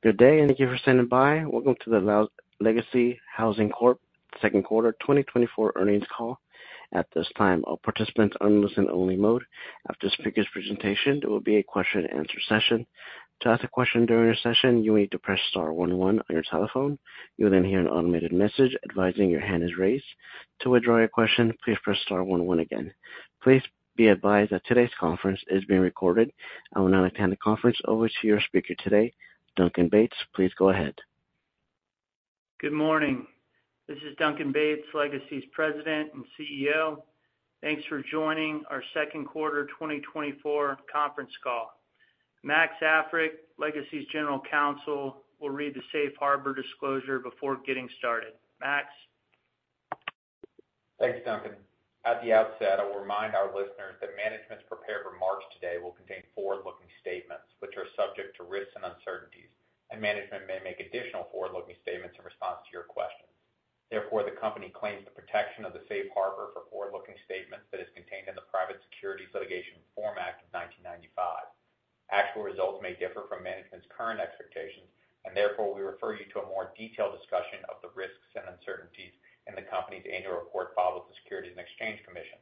Good day, and thank you for standing by. Welcome to the Legacy Housing Corp second quarter 2024 earnings call. At this time, all participants are in listen-only mode. After the speaker's presentation, there will be a question-and-answer session. To ask a question during the session, you will need to press star one one on your telephone. You will then hear an automated message advising your hand is raised. To withdraw your question, please press star one one again. Please be advised that today's conference is being recorded. I will now hand the conference over to your speaker today, Duncan Bates. Please go ahead. Good morning. This is Duncan Bates, Legacy's President and CEO. Thanks for joining our second quarter 2024 conference call. Max Africk, Legacy's General Counsel, will read the safe harbor disclosure before getting started. Max? Thanks, Duncan. At the outset, I will remind our listeners that management's prepared remarks today will contain forward-looking statements, which are subject to risks and uncertainties, and management may make additional forward-looking statements in response to your questions. Therefore, the company claims the protection of the safe harbor for forward-looking statements that is contained in the Private Securities Litigation Reform Act of 1995. Actual results may differ from management's current expectations, and therefore, we refer you to a more detailed discussion of the risks and uncertainties in the company's annual report filed with the Securities and Exchange Commission.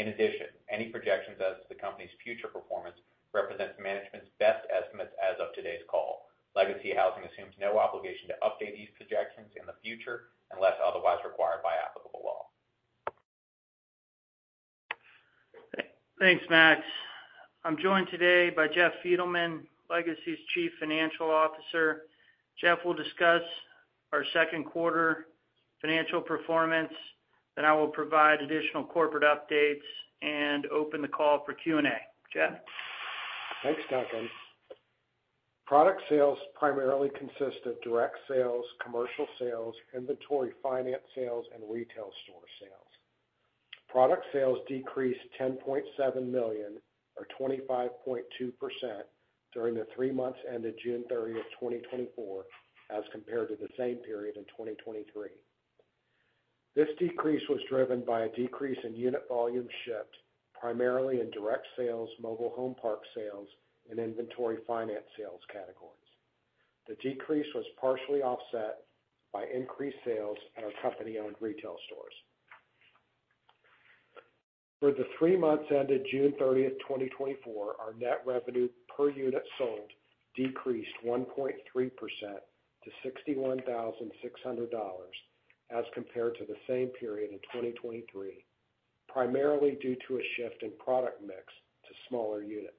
In addition, any projections as to the company's future performance represents management's best estimates as of today's call. Legacy Housing assumes no obligation to update these projections in the future unless otherwise required by applicable law. Thanks, Max. I'm joined today by Jeff Fiedelman, Legacy's Chief Financial Officer. Jeff will discuss our second quarter financial performance. Then I will provide additional corporate updates and open the call for Q&A. Jeff? Thanks, Duncan. Product sales primarily consist of direct sales, commercial sales, inventory, finance sales, and retail store sales. Product sales decreased $10.7 million, or 25.2%, during the three months ended June 30th, 2024, as compared to the same period in 2023. This decrease was driven by a decrease in unit volume shipped, primarily in direct sales, mobile home park sales, and inventory finance sales categories. The decrease was partially offset by increased sales at our company-owned retail stores. For the three months ended June 30th, 2024, our net revenue per unit sold decreased 1.3% to $61,600 as compared to the same period in 2023, primarily due to a shift in product mix to smaller units.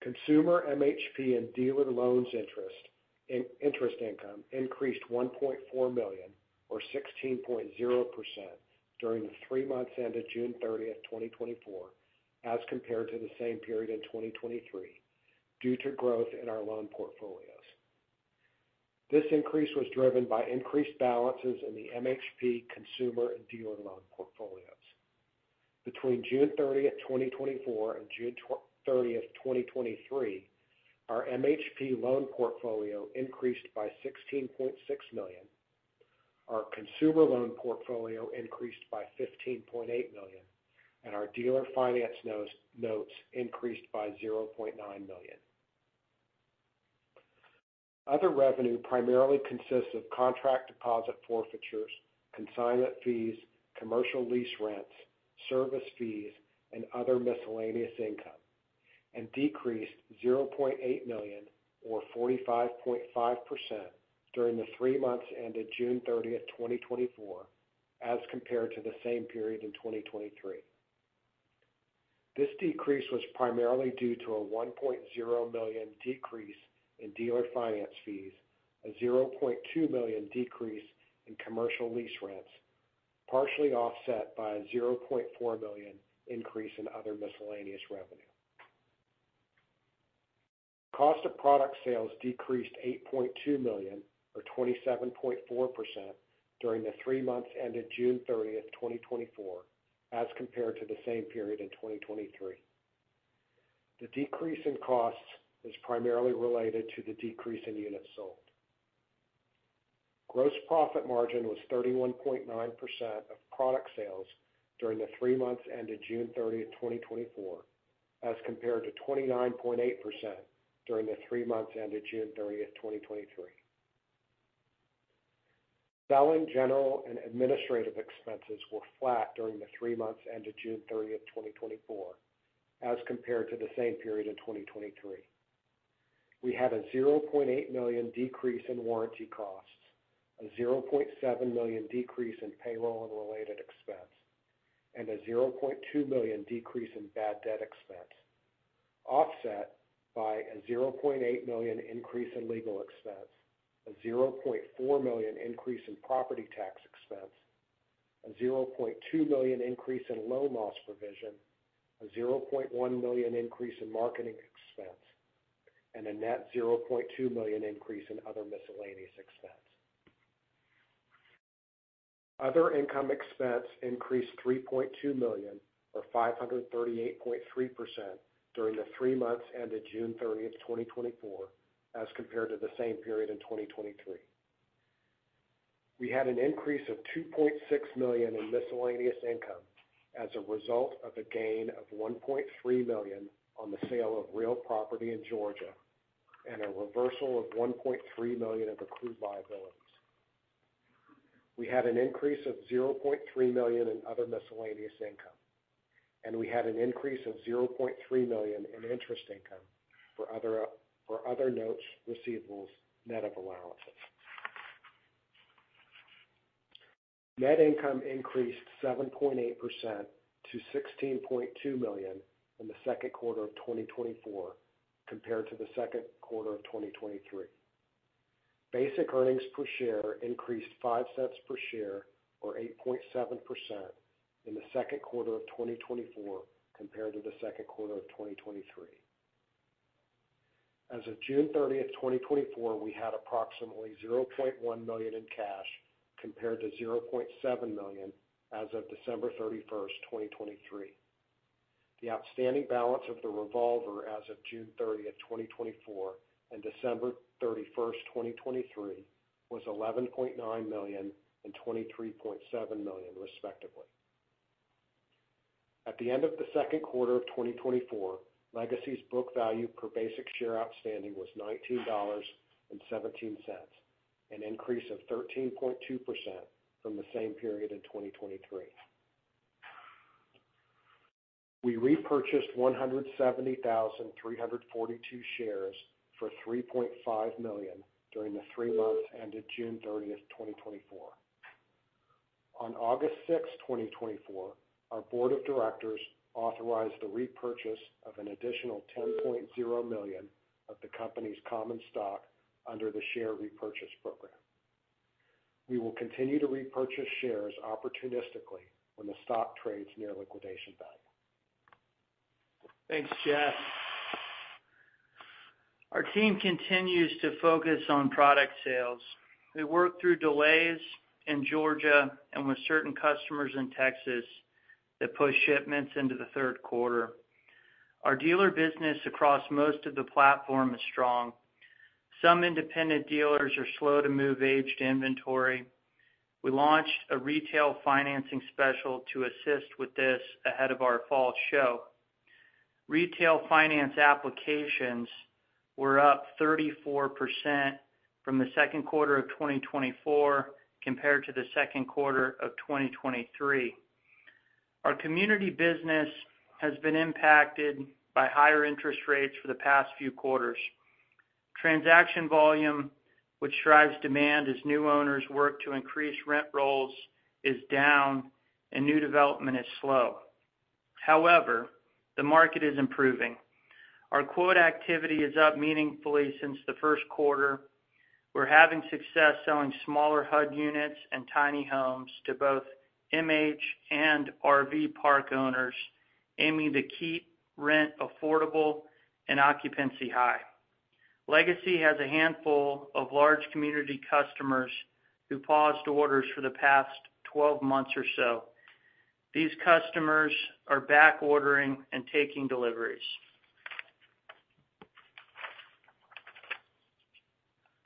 Consumer, MHP, and dealer loans interest income increased $1.4 million, or 16.0%, during the three months ended June 30, 2024, as compared to the same period in 2023, due to growth in our loan portfolios. This increase was driven by increased balances in the MHP, consumer, and dealer loan portfolios. Between June 30, 2024, and June 30, 2023, our MHP loan portfolio increased by $16.6 million, our consumer loan portfolio increased by $15.8 million, and our dealer finance notes increased by $0.9 million. Other revenue primarily consists of contract deposit forfeitures, consignment fees, commercial lease rents, service fees, and other miscellaneous income, and decreased $0.8 million, or 45.5%, during the three months ended June 30, 2024, as compared to the same period in 2023. This decrease was primarily due to a $1.0 million decrease in dealer finance fees, a $0.2 million decrease in commercial lease rents, partially offset by a $0.4 million increase in other miscellaneous revenue. Cost of product sales decreased $8.2 million, or 27.4%, during the three months ended June 30, 2024, as compared to the same period in 2023. The decrease in costs is primarily related to the decrease in units sold. Gross profit margin was 31.9% of product sales during the three months ended June 30, 2024, as compared to 29.8% during the three months ended June 30, 2023. Selling, general, and administrative expenses were flat during the three months ended June 30, 2024, as compared to the same period in 2023. We had a $0.8 million decrease in warranty costs, a $0.7 million decrease in payroll and related expense, and a $0.2 million decrease in bad debt expense, offset by a $0.8 million increase in legal expense, a $0.4 million increase in property tax expense, a $0.2 million increase in loan loss provision, a $0.1 million increase in marketing expense, and a net $0.2 million increase in other miscellaneous expense. Other income expense increased $3.2 million, or 538.3%, during the three months ended June 30, 2024, as compared to the same period in 2023.... We had an increase of $2.6 million in miscellaneous income as a result of a gain of $1.3 million on the sale of real property in Georgia and a reversal of $1.3 million of accrued liabilities. We had an increase of $0.3 million in other miscellaneous income, and we had an increase of $0.3 million in interest income for other, for other notes receivables, net of allowances. Net income increased 7.8% to $16.2 million in the second quarter of 2024 compared to the second quarter of 2023. Basic earnings per share increased $0.05 per share, or 8.7%, in the second quarter of 2024 compared to the second quarter of 2023. As of June 30, 2024, we had approximately $0.1 million in cash compared to $0.7 million as of December 31, 2023. The outstanding balance of the revolver as of June 30, 2024, and December 31, 2023, was $11.9 million and $23.7 million, respectively. At the end of the second quarter of 2024, Legacy's book value per basic share outstanding was $19.17, an increase of 13.2% from the same period in 2023. We repurchased 170,342 shares for $3.5 million during the three months ended June 30, 2024. On August 6, 2024, our board of directors authorized the repurchase of an additional $10.0 million of the company's common stock under the share repurchase program. We will continue to repurchase shares opportunistically when the stock trades near liquidation value. Thanks, Jeff. Our team continues to focus on product sales. We worked through delays in Georgia and with certain customers in Texas that pushed shipments into the third quarter. Our dealer business across most of the platform is strong. Some independent dealers are slow to move aged inventory. We launched a retail financing special to assist with this ahead of our fall show. Retail finance applications were up 34% from the second quarter of 2024 compared to the second quarter of 2023. Our community business has been impacted by higher interest rates for the past few quarters. Transaction volume, which drives demand as new owners work to increase rent rolls, is down and new development is slow. However, the market is improving. Our quote activity is up meaningfully since the first quarter. We're having success selling smaller HUD units and tiny homes to both MH and RV park owners, aiming to keep rent affordable and occupancy high. Legacy has a handful of large community customers who paused orders for the past 12 months or so. These customers are back ordering and taking deliveries.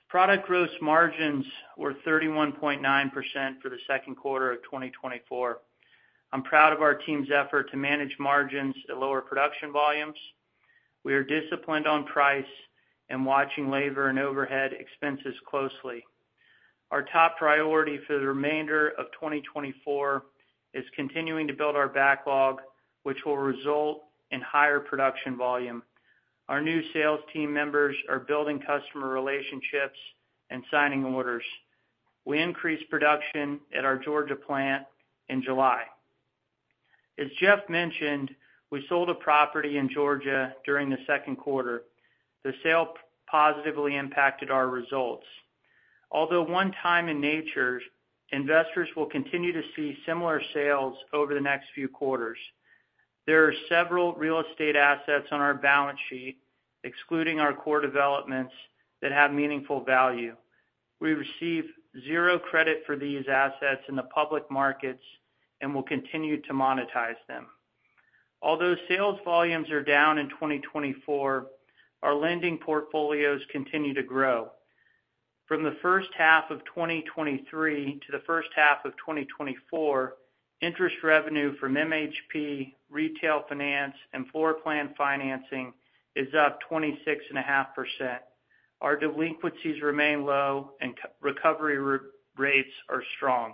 Product gross margins were 31.9% for the second quarter of 2024. I'm proud of our team's effort to manage margins at lower production volumes. We are disciplined on price and watching labor and overhead expenses closely. Our top priority for the remainder of 2024 is continuing to build our backlog, which will result in higher production volume. Our new sales team members are building customer relationships and signing orders. We increased production at our Georgia plant in July. As Jeff mentioned, we sold a property in Georgia during the second quarter. The sale positively impacted our results. Although one time in nature, investors will continue to see similar sales over the next few quarters. There are several real estate assets on our balance sheet, excluding our core developments, that have meaningful value. We receive zero credit for these assets in the public markets and will continue to monetize them. Although sales volumes are down in 2024, our lending portfolios continue to grow. From the first half of 2023 to the first half of 2024, interest revenue from MHP, retail finance, and floor plan financing is up 26.5%. Our delinquencies remain low and recovery rates are strong.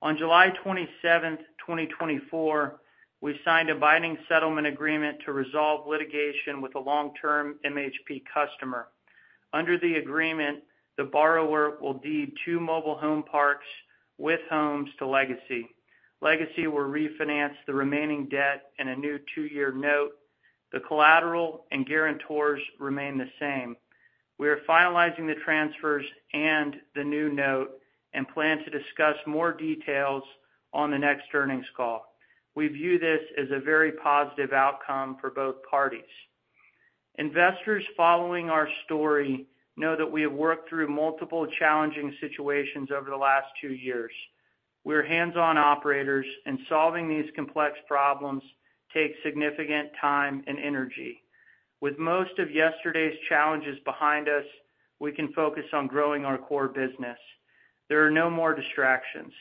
On July 27, 2024, we signed a binding settlement agreement to resolve litigation with a long-term MHP customer. Under the agreement, the borrower will deed two mobile home parks with homes to Legacy. Legacy will refinance the remaining debt in a new two-year note. The collateral and guarantors remain the same. We are finalizing the transfers and the new note and plan to discuss more details on the next earnings call. We view this as a very positive outcome for both parties. Investors following our story know that we have worked through multiple challenging situations over the last two years.... We're hands-on operators, and solving these complex problems takes significant time and energy. With most of yesterday's challenges behind us, we can focus on growing our core business. There are no more distractions.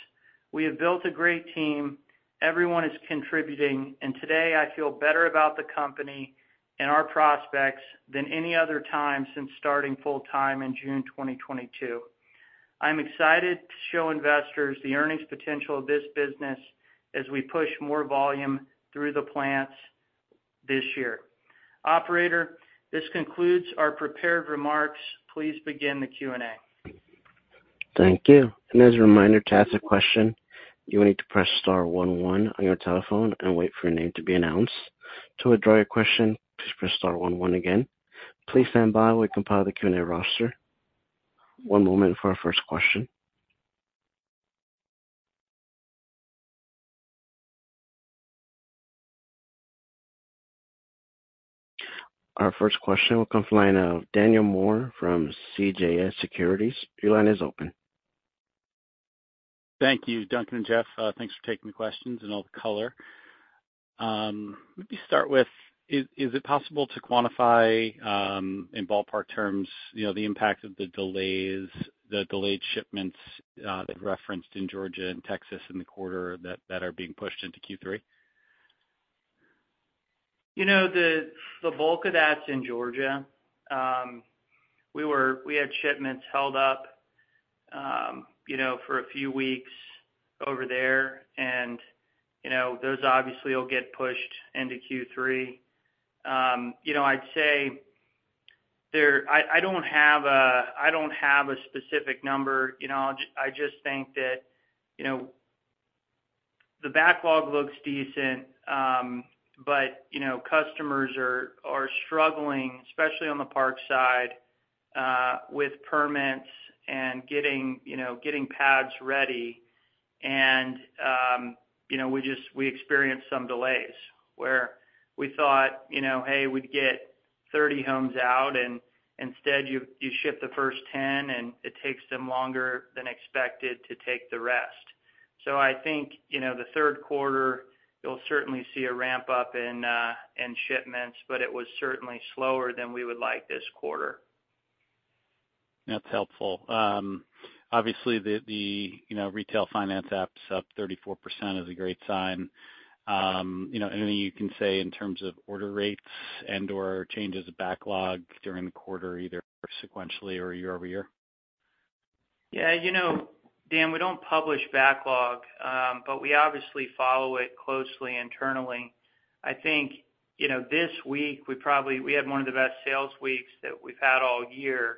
We have built a great team, everyone is contributing, and today I feel better about the company and our prospects than any other time since starting full-time in June 2022. I'm excited to show investors the earnings potential of this business as we push more volume through the plants this year. Operator, this concludes our prepared remarks. Please begin the Q&A. Thank you. And as a reminder, to ask a question, you will need to press star one one on your telephone and wait for your name to be announced. To withdraw your question, please press star one one again. Please stand by while we compile the Q&A roster. One moment for our first question. Our first question will come from the line of Daniel Moore from CJS Securities. Your line is open. Thank you, Duncan and Jeff. Thanks for taking the questions and all the color. Let me start with, is it possible to quantify, in ballpark terms, you know, the impact of the delays, the delayed shipments that referenced in Georgia and Texas in the quarter that are being pushed into Q3? You know, the bulk of that's in Georgia. We had shipments held up, you know, for a few weeks over there, and, you know, those obviously will get pushed into Q3. You know, I'd say, I don't have a specific number, you know. I just think that, you know, the backlog looks decent, but, you know, customers are struggling, especially on the park side, with permits and getting, you know, getting pads ready. You know, we just experienced some delays, where we thought, you know, hey, we'd get 30 homes out, and instead, you ship the first 10, and it takes them longer than expected to take the rest. I think, you know, the third quarter, you'll certainly see a ramp-up in shipments, but it was certainly slower than we would like this quarter. That's helpful. Obviously, you know, retail finance app's up 34% is a great sign. You know, anything you can say in terms of order rates and/or changes of backlog during the quarter, either sequentially or year-over-year? Yeah, you know, Dan, we don't publish backlog, but we obviously follow it closely internally. I think, you know, this week, we probably we had one of the best sales weeks that we've had all year.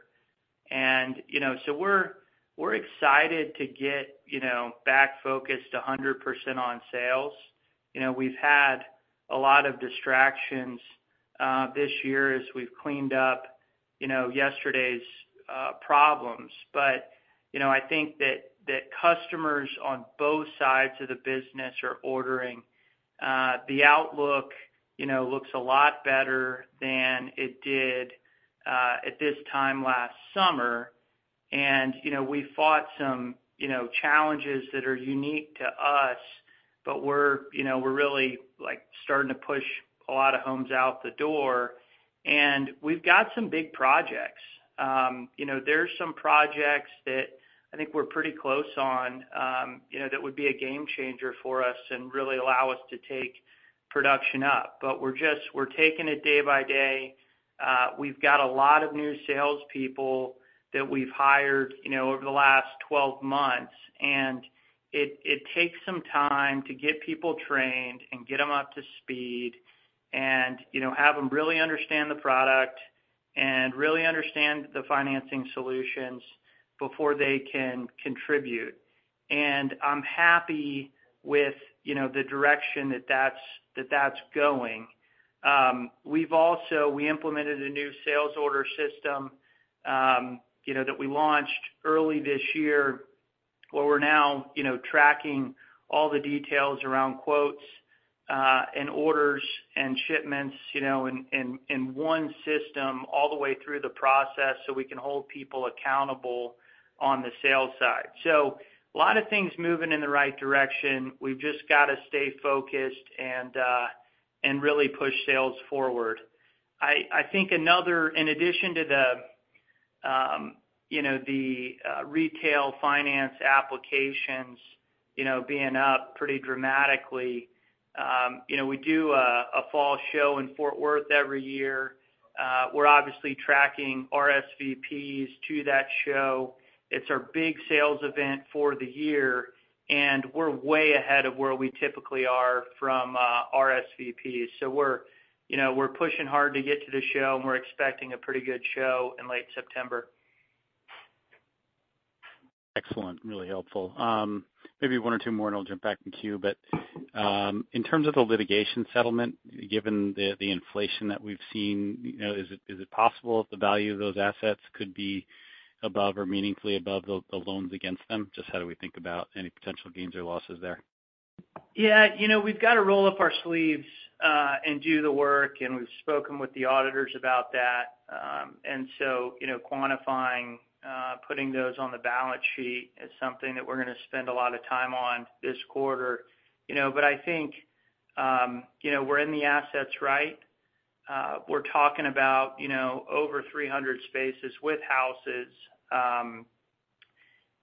And, you know, so we're excited to get, you know, back focused 100% on sales. You know, we've had a lot of distractions this year as we've cleaned up, you know, yesterday's problems. But, you know, I think that customers on both sides of the business are ordering. The outlook, you know, looks a lot better than it did at this time last summer. And, you know, we fought some, you know, challenges that are unique to us, but we're, you know, we're really, like, starting to push a lot of homes out the door, and we've got some big projects. You know, there's some projects that I think we're pretty close on, you know, that would be a game changer for us and really allow us to take production up. But we're just taking it day by day. We've got a lot of new salespeople that we've hired, you know, over the last 12 months, and it takes some time to get people trained and get them up to speed and, you know, have them really understand the product and really understand the financing solutions before they can contribute. And I'm happy with, you know, the direction that that's going. We've also implemented a new sales order system, you know, that we launched early this year, where we're now, you know, tracking all the details around quotes and orders and shipments, you know, in one system all the way through the process, so we can hold people accountable on the sales side. So a lot of things moving in the right direction. We've just got to stay focused and really push sales forward. I think another, in addition to the, you know, the retail finance applications, you know, being up pretty dramatically, you know, we do a fall show in Fort Worth every year. We're obviously tracking RSVPs to that show. It's our big sales event for the year, and we're way ahead of where we typically are from RSVPs. So we're, you know, we're pushing hard to get to the show, and we're expecting a pretty good show in late September. Excellent, really helpful. Maybe one or two more, and I'll jump back in the queue. But, in terms of the litigation settlement, given the, the inflation that we've seen, you know, is it, is it possible that the value of those assets could be above or meaningfully above the, the loans against them? Just how do we think about any potential gains or losses there?... Yeah, you know, we've got to roll up our sleeves, and do the work, and we've spoken with the auditors about that. And so, you know, quantifying, putting those on the balance sheet is something that we're going to spend a lot of time on this quarter. You know, but I think, you know, we're in the assets right. We're talking about, you know, over 300 spaces with houses.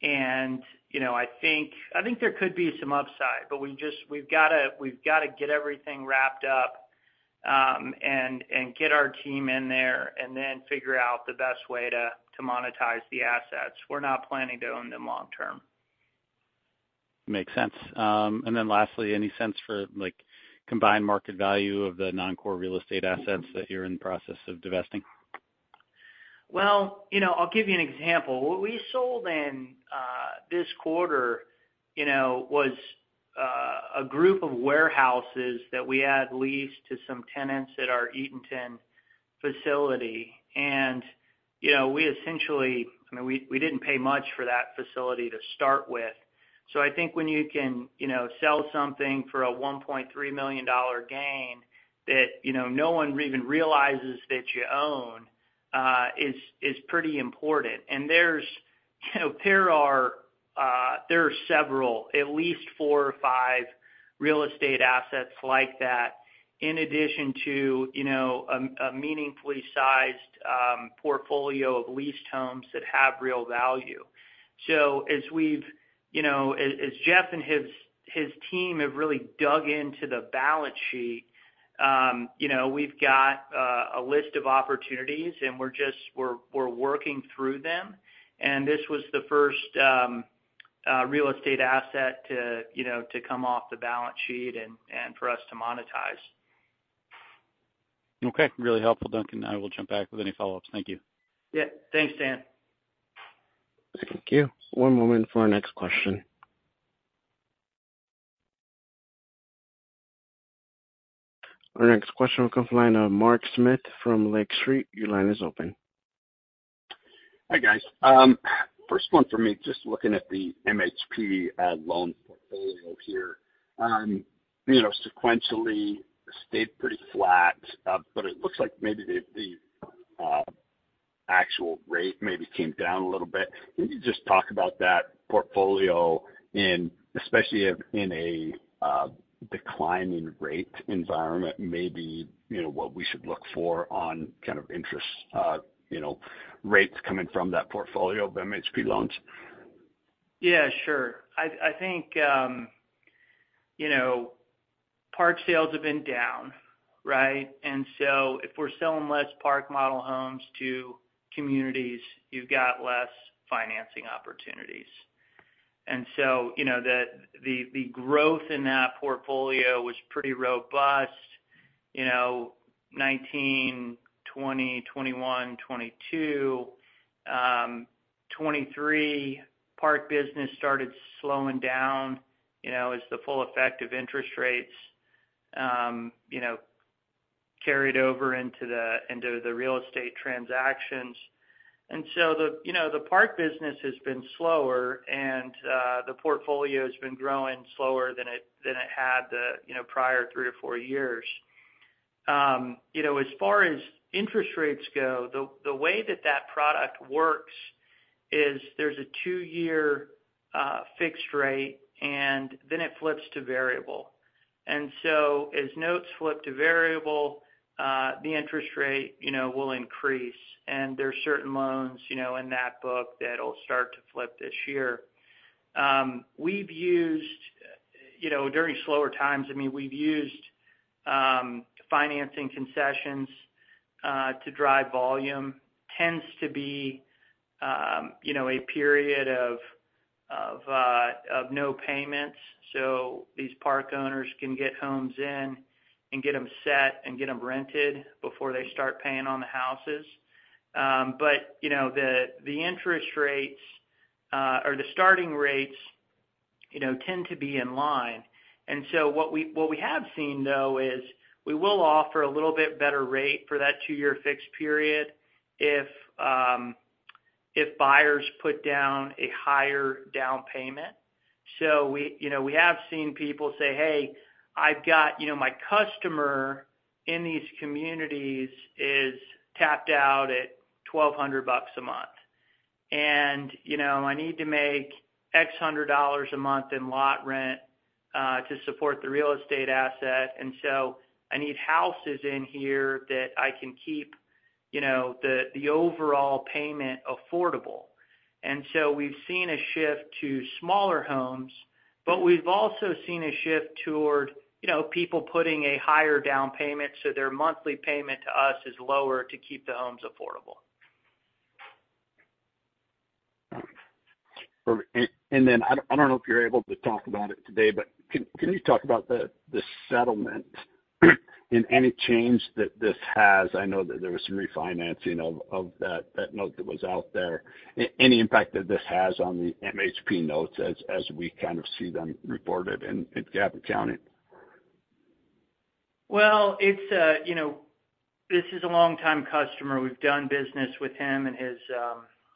And, you know, I think, I think there could be some upside, but we just, we've got to, we've got to get everything wrapped up, and, and get our team in there, and then figure out the best way to, to monetize the assets. We're not planning to own them long term. Makes sense. And then lastly, any sense for, like, combined market value of the non-core real estate assets that you're in the process of divesting? Well, you know, I'll give you an example. What we sold in this quarter, you know, was a group of warehouses that we had leased to some tenants at our Eatonton facility. And, you know, we essentially, I mean, we didn't pay much for that facility to start with. So I think when you can, you know, sell something for a $1.3 million gain that, you know, no one even realizes that you own is pretty important. And there's, you know, there are several, at least four or five real estate assets like that, in addition to, you know, a meaningfully sized portfolio of leased homes that have real value. So as we've... You know, as Jeff and his team have really dug into the balance sheet, you know, we've got a list of opportunities, and we're just working through them. And this was the first real estate asset to, you know, to come off the balance sheet and for us to monetize. Okay. Really helpful, Duncan. I will jump back with any follow-ups. Thank you. Yeah. Thanks, Dan. Thank you. One moment for our next question. Our next question comes from the line of Mark Smith from Lake Street. Your line is open. Hi, guys. First one for me, just looking at the MHP loan portfolio here. You know, sequentially, stayed pretty flat, but it looks like maybe the actual rate maybe came down a little bit. Can you just talk about that portfolio in, especially in a declining rate environment, maybe, you know, what we should look for on kind of interest rates coming from that portfolio of MHP loans? Yeah, sure. I, I think, you know, park sales have been down, right? And so if we're selling less park model homes to communities, you've got less financing opportunities. And so, you know, the growth in that portfolio was pretty robust, you know, 2019, 2020, 2021, 2022. 2023, park business started slowing down, you know, as the full effect of interest rates, you know, carried over into the real estate transactions. And so the, you know, the park business has been slower, and, the portfolio has been growing slower than it had, you know, the prior three or four years. You know, as far as interest rates go, the way that that product works is there's a 2-year fixed rate, and then it flips to variable. As notes flip to variable, the interest rate, you know, will increase, and there are certain loans, you know, in that book that will start to flip this year. We've used, you know, during slower times, I mean, we've used financing concessions to drive volume. Tends to be a period of no payments, so these park owners can get homes in and get them set and get them rented before they start paying on the houses. But, you know, the interest rates or the starting rates, you know, tend to be in line. What we have seen, though, is we will offer a little bit better rate for that two-year fixed period if buyers put down a higher down payment. So we, you know, we have seen people say, "Hey, I've got... You know, my customer in these communities is tapped out at $1,200 a month, and, you know, I need to make $X hundred a month in lot rent, to support the real estate asset. And so I need houses in here that I can keep, you know, the, the overall payment affordable." And so we've seen a shift to smaller homes, but we've also seen a shift toward, you know, people putting a higher down payment, so their monthly payment to us is lower to keep the homes affordable. And then, I don't know if you're able to talk about it today, but can you talk about the settlement and any change that this has? I know that there was some refinancing of that note that was out there. Any impact that this has on the MHP notes as we kind of see them reported in GAAP accounting?... Well, it's, you know, this is a longtime customer. We've done business with him and his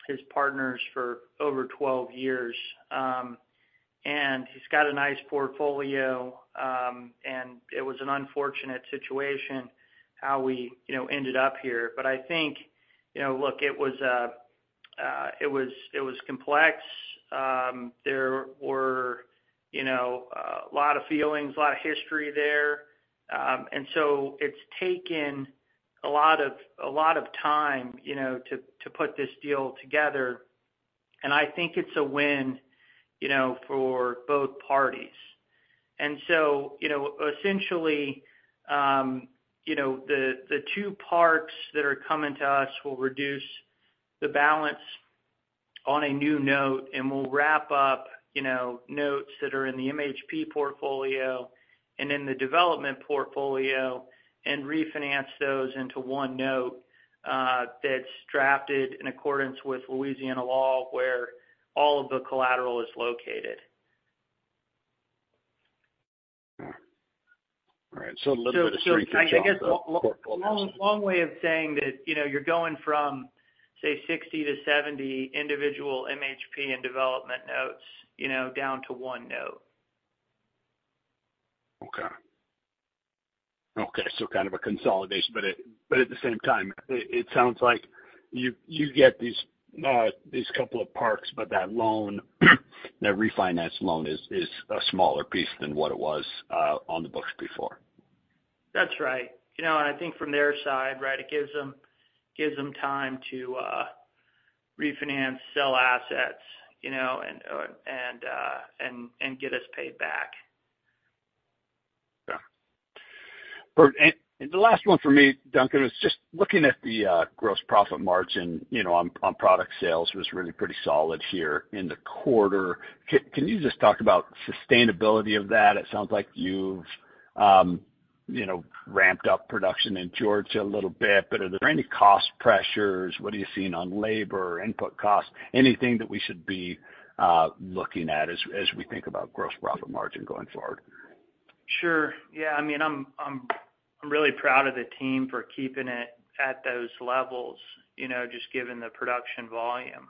his partners for over 12 years. And he's got a nice portfolio, and it was an unfortunate situation how we, you know, ended up here. But I think, you know, look, it was complex. There were, you know, a lot of feelings, a lot of history there. And so it's taken a lot of, a lot of time, you know, to put this deal together, and I think it's a win, you know, for both parties. And so, you know, essentially, you know, the two parks that are coming to us will reduce the balance on a new note, and we'll wrap up, you know, notes that are in the MHP portfolio and in the development portfolio and refinance those into one note, that's drafted in accordance with Louisiana law, where all of the collateral is located. All right. So a little bit of strength- So I guess long way of saying that, you know, you're going from, say, 60-70 individual MHP and development notes, you know, down to one note. Okay. Okay, so kind of a consolidation. But it, but at the same time, it, it sounds like you, you get these, these couple of parks, but that loan, that refinance loan is, is a smaller piece than what it was on the books before. That's right. You know, and I think from their side, right, it gives them, gives them time to refinance, sell assets, you know, and, and, and, and get us paid back. Yeah. And, the last one for me, Duncan, was just looking at the gross profit margin, you know, on product sales was really pretty solid here in the quarter. Can you just talk about sustainability of that? It sounds like you've, you know, ramped up production in Georgia a little bit, but are there any cost pressures? What are you seeing on labor, input costs? Anything that we should be looking at as we think about gross profit margin going forward? Sure. Yeah, I mean, I'm really proud of the team for keeping it at those levels, you know, just given the production volume.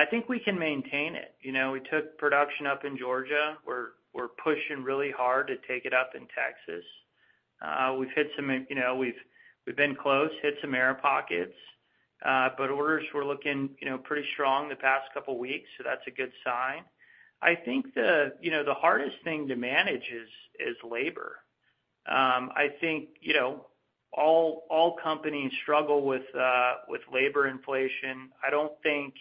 I think we can maintain it. You know, we took production up in Georgia. We're pushing really hard to take it up in Texas. We've hit some, you know, we've been close, hit some air pockets, but orders were looking, you know, pretty strong the past couple weeks, so that's a good sign. I think the, you know, the hardest thing to manage is labor. I think, you know, all companies struggle with labor inflation. I don't think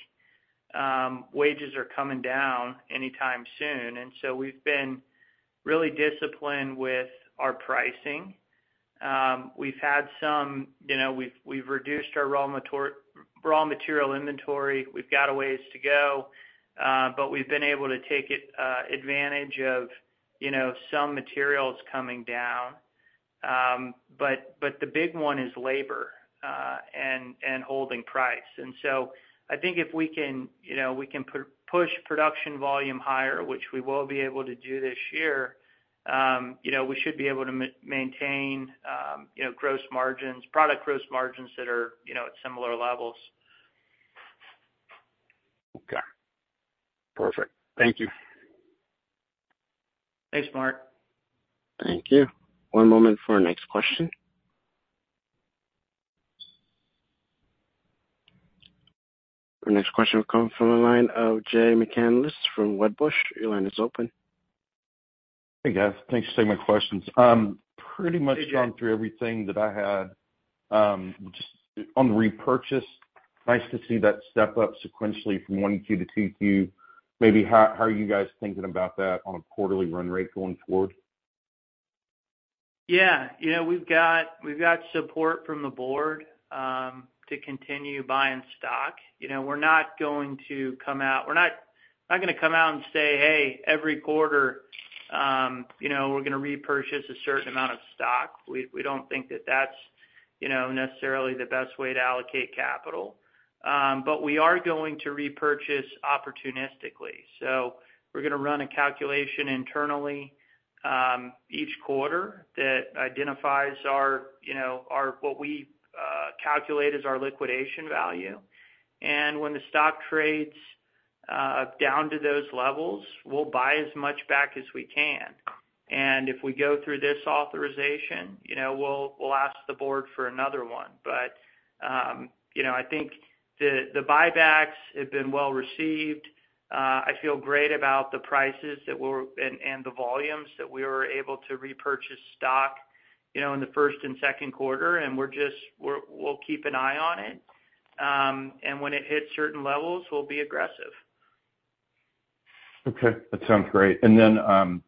wages are coming down anytime soon, and so we've been really disciplined with our pricing. We've had some—you know, we've reduced our raw material inventory. We've got a ways to go, but we've been able to take advantage of, you know, some materials coming down. But the big one is labor, and holding price. And so I think if we can, you know, we can push production volume higher, which we will be able to do this year, you know, we should be able to maintain, you know, gross margins, product gross margins that are, you know, at similar levels. Okay. Perfect. Thank you. Thanks, Mark. Thank you. One moment for our next question. Our next question will come from the line of Jay McCanless from Wedbush. Your line is open. Hey, guys. Thanks for taking my questions. Pretty much- Hey, Jay. Gone through everything that I had. Just on the repurchase, nice to see that step up sequentially from one Q to two Q. Maybe how, how are you guys thinking about that on a quarterly run rate going forward? Yeah. You know, we've got support from the board to continue buying stock. You know, we're not going to come out and say, "Hey, every quarter, you know, we're gonna repurchase a certain amount of stock." We don't think that that's, you know, necessarily the best way to allocate capital. But we are going to repurchase opportunistically. So we're gonna run a calculation internally each quarter that identifies our, you know, our – what we calculate as our liquidation value. And when the stock trades down to those levels, we'll buy as much back as we can. And if we go through this authorization, you know, we'll ask the board for another one. But, you know, I think the buybacks have been well received. I feel great about the prices that we're - and the volumes that we were able to repurchase stock, you know, in the first and second quarter, and we're just - we'll keep an eye on it. And when it hits certain levels, we'll be aggressive. Okay. That sounds great. And then,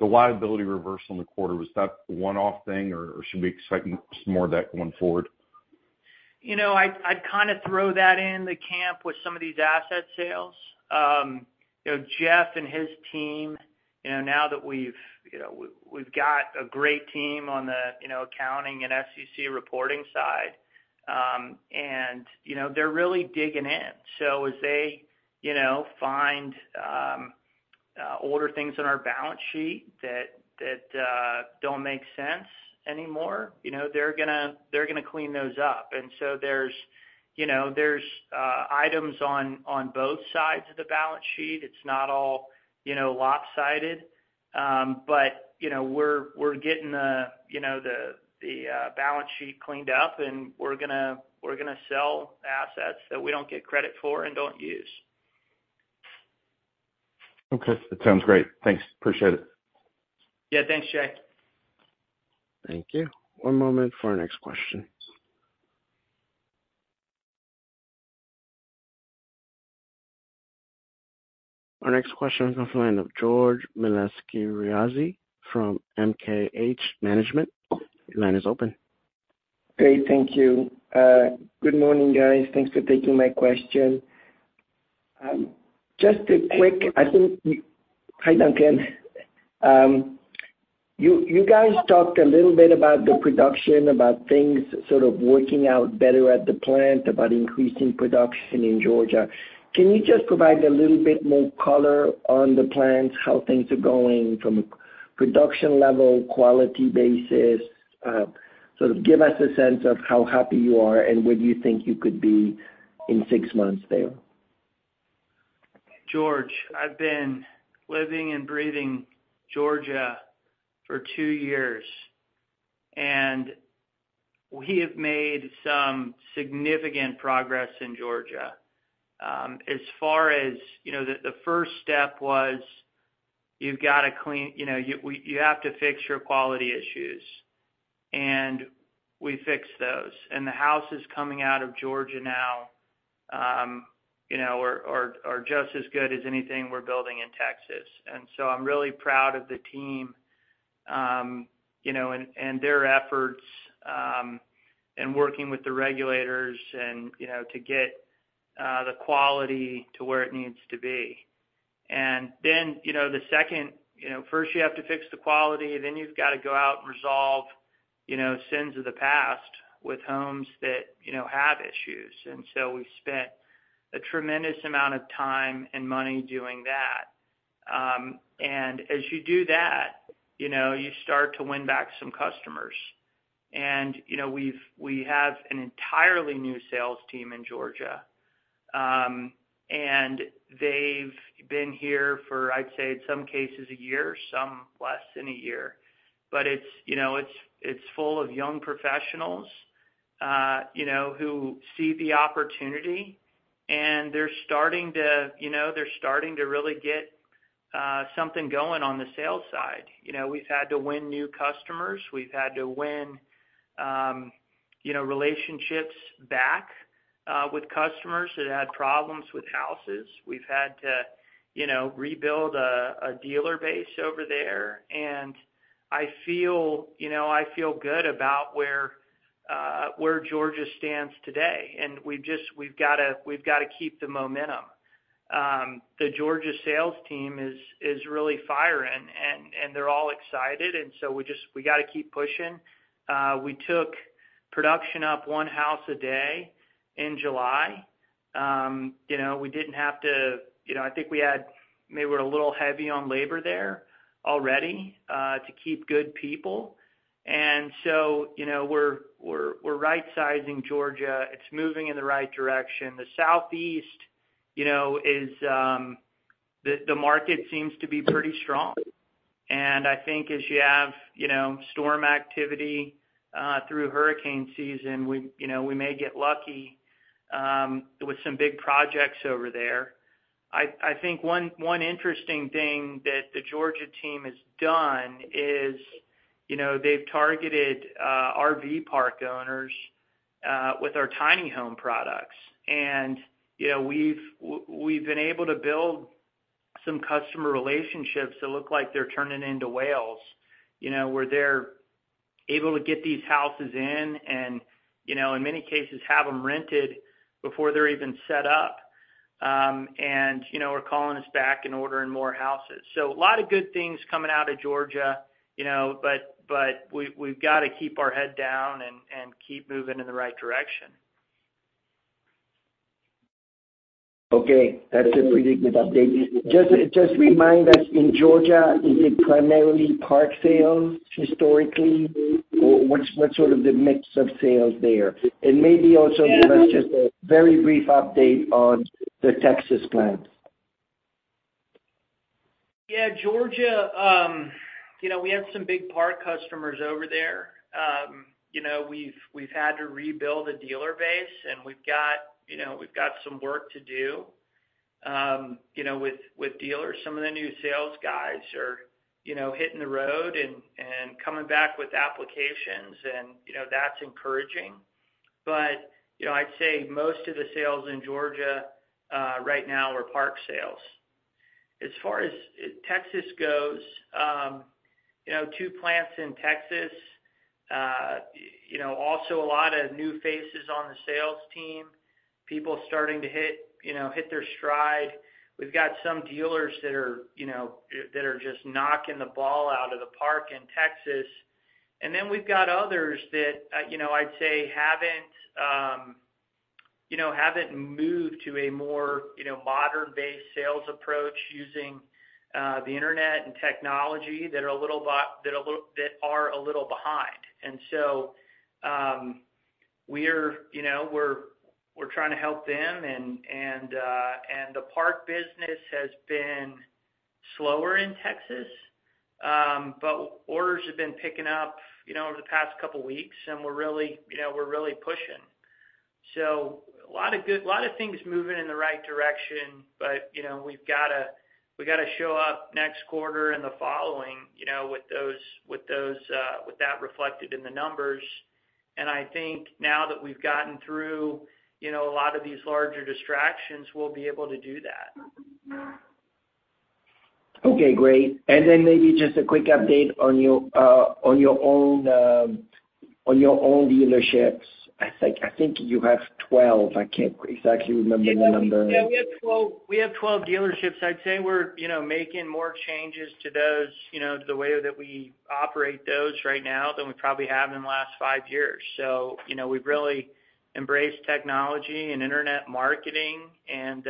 the liability reversal in the quarter, was that a one-off thing, or, or should we expect more of that going forward? You know, I'd kind of throw that in the camp with some of these asset sales. You know, Jeff and his team, you know, now that we've got a great team on the accounting and SEC reporting side, and, you know, they're really digging in. So as they, you know, find older things on our balance sheet that don't make sense anymore, you know, they're gonna clean those up. And so there's, you know, items on both sides of the balance sheet. It's not all, you know, lopsided. But, you know, we're getting the balance sheet cleaned up, and we're gonna sell assets that we don't get credit for and don't use. Okay, that sounds great. Thanks. Appreciate it. Yeah, thanks, Jay. Thank you. One moment for our next question. Our next question comes from the line of George Melas-Kyriazi from MKH Management. Your line is open. Great. Thank you. Good morning, guys. Thanks for taking my question. Just a quick. Hi, Duncan. You guys talked a little bit about the production, about things sort of working out better at the plant, about increasing production in Georgia. Can you just provide a little bit more color on the plants, how things are going from a production level, quality basis? Sort of give us a sense of how happy you are and where you think you could be in six months there. George, I've been living and breathing Georgia for two years, and we have made some significant progress in Georgia. As far as you know, the first step was, you've got to clean—you know, we have to fix your quality issues, and we fixed those. The houses coming out of Georgia now, you know, are just as good as anything we're building in Texas. So I'm really proud of the team, you know, and their efforts in working with the regulators and, you know, to get the quality to where it needs to be. Then, you know, the second, first you have to fix the quality, then you've got to go out and resolve, you know, sins of the past with homes that, you know, have issues. And so we've spent a tremendous amount of time and money doing that. And as you do that, you know, you start to win back some customers. And, you know, we have an entirely new sales team in Georgia, and they've been here for, I'd say, in some cases, a year, some less than a year. But it's, you know, full of young professionals, you know, who see the opportunity, and they're starting to, you know, really get something going on the sales side. You know, we've had to win new customers. We've had to win, you know, relationships back with customers that had problems with houses. We've had to, you know, rebuild a dealer base over there, and I feel, you know, good about where Georgia stands today, and we've just... We've gotta, we've gotta keep the momentum. The Georgia sales team is really firing, and they're all excited, and so we just, we gotta keep pushing. We took production up one house a day in July. You know, we didn't have to. You know, I think we had maybe we're a little heavy on labor there already to keep good people. And so, you know, we're right-sizing Georgia. It's moving in the right direction. The Southeast, you know, is the market seems to be pretty strong. And I think as you have, you know, storm activity through hurricane season, we, you know, we may get lucky with some big projects over there. I think one interesting thing that the Georgia team has done is, you know, they've targeted RV park owners with our tiny home products. And, you know, we've been able to build some customer relationships that look like they're turning into whales, you know, where they're able to get these houses in and, you know, in many cases, have them rented before they're even set up, and, you know, are calling us back and ordering more houses. So a lot of good things coming out of Georgia, you know, but we've gotta keep our head down and keep moving in the right direction. Okay. That's a pretty good update. Just, just remind us, in Georgia, is it primarily park sales historically, or what's, what's sort of the mix of sales there? And maybe also give us just a very brief update on the Texas plant? Yeah, Georgia, you know, we have some big park customers over there. You know, we've had to rebuild a dealer base, and we've got, you know, we've got some work to do, you know, with dealers. Some of the new sales guys are, you know, hitting the road and coming back with applications, and, you know, that's encouraging. But, you know, I'd say most of the sales in Georgia, right now are park sales. As far as Texas goes, you know, 2 plants in Texas, you know, also a lot of new faces on the sales team. People starting to hit, you know, hit their stride. We've got some dealers that are, you know, that are just knocking the ball out of the park in Texas. Then we've got others that, you know, I'd say haven't, you know, haven't moved to a more, you know, modern-based sales approach using the internet and technology that are a little behind. And so, we're, you know, trying to help them. And the park business has been slower in Texas, but orders have been picking up, you know, over the past couple weeks, and we're really, you know, pushing. So a lot of things moving in the right direction, but, you know, we've got to show up next quarter and the following, you know, with that reflected in the numbers. I think now that we've gotten through, you know, a lot of these larger distractions, we'll be able to do that. Okay, great. And then maybe just a quick update on your own dealerships. I think you have 12. I can't exactly remember the number. Yeah, we have 12, we have 12 dealerships. I'd say we're, you know, making more changes to those, you know, to the way that we operate those right now than we probably have in the last five years. So, you know, we've really embraced technology and internet marketing, and,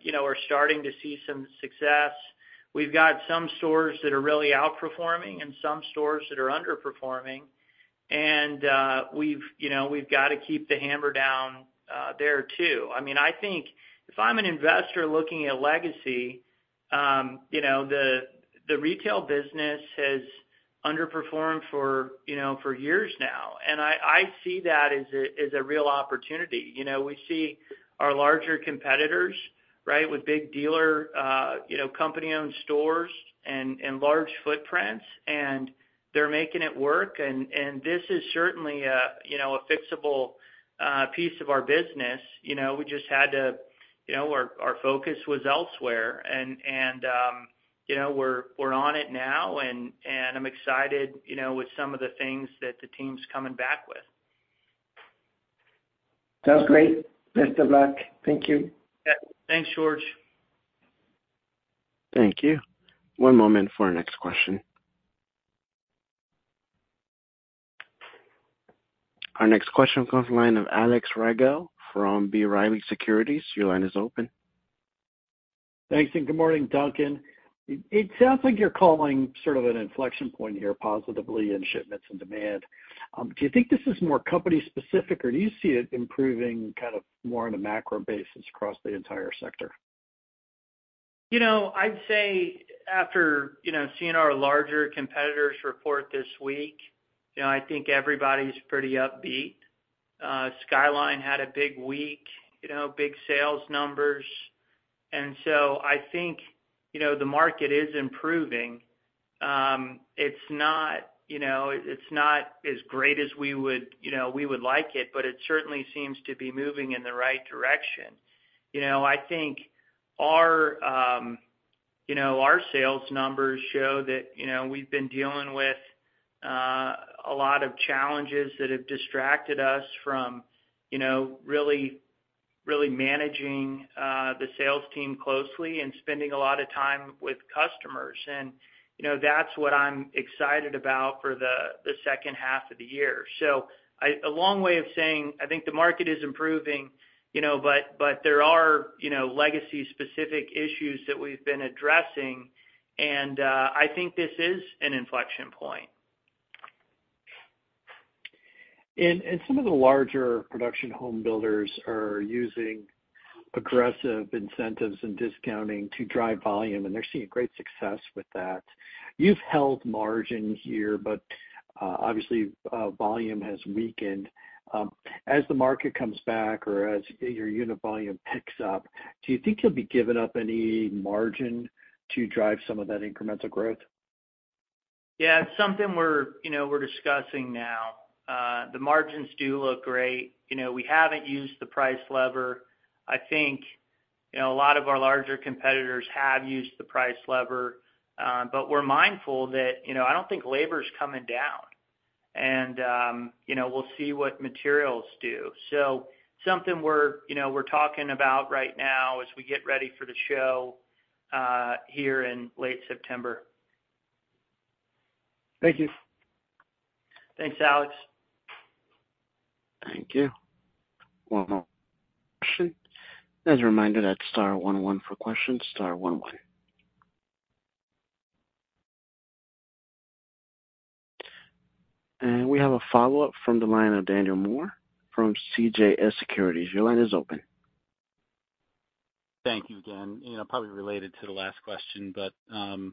you know, we're starting to see some success. We've got some stores that are really outperforming and some stores that are underperforming, and, we've, you know, we've got to keep the hammer down, there too. I mean, I think if I'm an investor looking at Legacy, you know, the, the retail business has underperformed for, you know, for years now, and I, I see that as a, as a real opportunity. You know, we see our larger competitors, right, with big dealer, you know, company-owned stores and, and large footprints, and they're making it work. And this is certainly a, you know, a fixable piece of our business. You know, we just had to... You know, our focus was elsewhere, and, you know, we're on it now, and I'm excited, you know, with some of the things that the team's coming back with. Sounds great. Best of luck. Thank you. Yeah. Thanks, George. Thank you. One moment for our next question. Our next question comes Alex Rygiel from the line B. Riley Securities Your line is open. Thanks, and good morning, Duncan. It sounds like you're calling sort of an inflection point here positively in shipments and demand. Do you think this is more company specific, or do you see it improving kind of more on a macro basis across the entire sector? You know, I'd say after, you know, seeing our larger competitors report this week, you know, I think everybody's pretty upbeat. Skyline had a big week, you know, big sales numbers. And so I think, you know, the market is improving. It's not, you know, it's not as great as we would, you know, we would like it, but it certainly seems to be moving in the right direction. You know, I think our, you know, our sales numbers show that, you know, we've been dealing with a lot of challenges that have distracted us from, you know, really, really managing the sales team closely and spending a lot of time with customers. And, you know, that's what I'm excited about for the second half of the year. So a long way of saying, I think the market is improving, you know, but, but there are, you know, legacy-specific issues that we've been addressing, and I think this is an inflection point. Some of the larger production home builders are using aggressive incentives and discounting to drive volume, and they're seeing great success with that. You've held margin here, but, obviously, volume has weakened. As the market comes back or as your unit volume picks up, do you think you'll be giving up any margin to drive some of that incremental growth? Yeah, it's something we're, you know, we're discussing now. The margins do look great. You know, we haven't used the price lever. I think, you know, a lot of our larger competitors have used the price lever. But we're mindful that, you know, I don't think labor's coming down, and, you know, we'll see what materials do. So something we're, you know, we're talking about right now as we get ready for the show here in late September. Thank you. Thanks, Alex. Thank you. One moment. As a reminder, that's star one one for questions, star one one. We have a follow-up from the line of Daniel Moore from CJS Securities. Your line is open. Thank you again. You know, probably related to the last question, but, you know,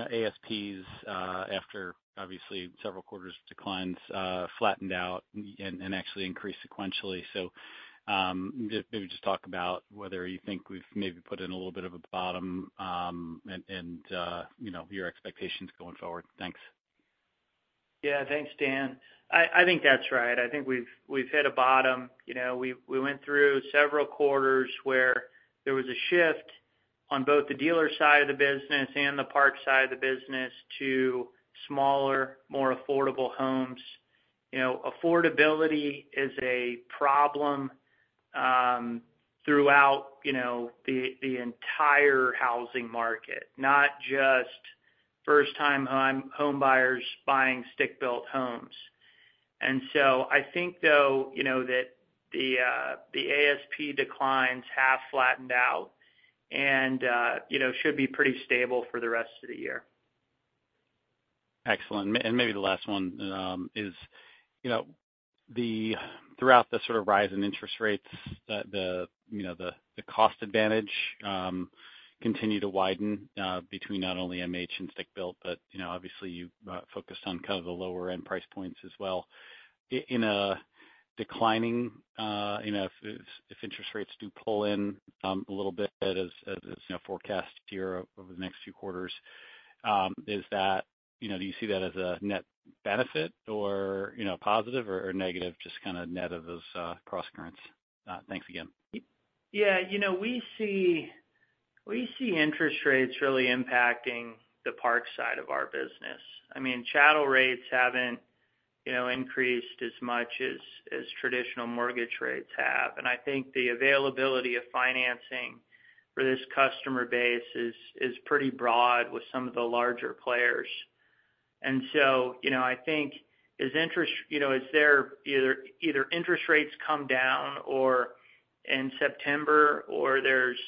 ASPs, after obviously several quarters of declines, flattened out and, you know, your expectations going forward? Thanks. Yeah. Thanks, Dan. I think that's right. I think we've hit a bottom. You know, we went through several quarters where there was a shift on both the dealer side of the business and the park side of the business to smaller, more affordable homes. You know, affordability is a problem throughout, you know, the entire housing market, not just first-time home buyers buying stick-built homes. And so I think, though, you know, that the ASP declines have flattened out and, you know, should be pretty stable for the rest of the year. Excellent. And maybe the last one is, you know, throughout the sort of rise in interest rates, the cost advantage continues to widen between not only MH and stick-built, but you know, obviously, you focused on kind of the lower end price points as well. In a declining, you know, if interest rates do pull in a little bit as you know forecast here over the next few quarters, is that, you know, do you see that as a net benefit or, you know, positive or negative, just kind of net of those crosscurrents? Thanks again. Yeah, you know, we see interest rates really impacting the park side of our business. I mean, chattel rates haven't, you know, increased as much as traditional mortgage rates have. And I think the availability of financing for this customer base is pretty broad with some of the larger players. And so, you know, I think as interest rates come down, either in September or there's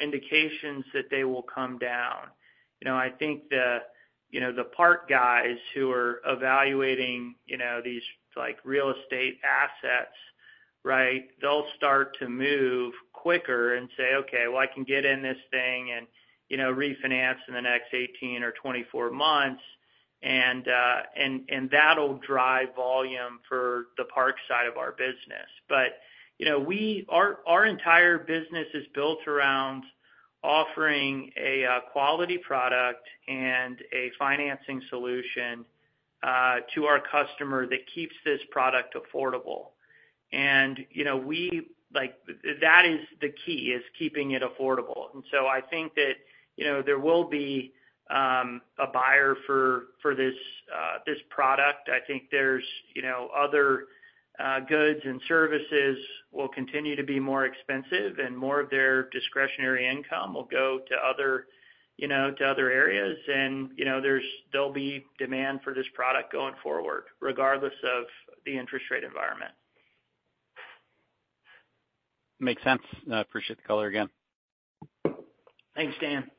indications that they will come down, you know, I think the park guys who are evaluating these, like, real estate assets, right? They'll start to move quicker and say, "Okay, well, I can get in this thing and, you know, refinance in the next 18 or 24 months," and that'll drive volume for the park side of our business. But, you know, our entire business is built around offering a quality product and a financing solution to our customer that keeps this product affordable. And, you know, we, like, that is the key, is keeping it affordable. And so I think that, you know, there will be a buyer for this product. I think there's, you know, other goods and services will continue to be more expensive, and more of their discretionary income will go to other areas. And, you know, there'll be demand for this product going forward, regardless of the interest rate environment. Makes sense. I appreciate the color again. Thanks, Dan.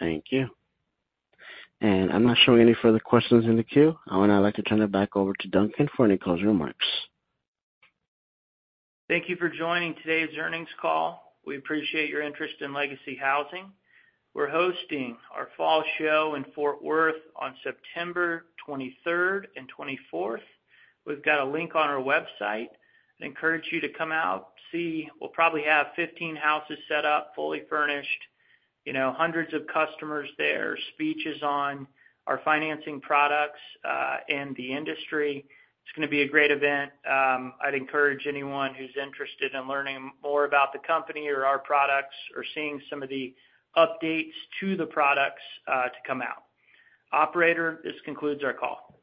Thank you. I'm not showing any further questions in the queue. I would now like to turn it back over to Duncan for any closing remarks. Thank you for joining today's earnings call. We appreciate your interest in Legacy Housing. We're hosting our fall show in Fort Worth on September 23rd and 24th. We've got a link on our website. I encourage you to come out, see. We'll probably have 15 houses set up, fully furnished, you know, hundreds of customers there, speeches on our financing products, and the industry. It's gonna be a great event. I'd encourage anyone who's interested in learning more about the company or our products or seeing some of the updates to the products, to come out. Operator, this concludes our call.